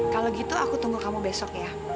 kalau gitu aku tunggu kamu besok ya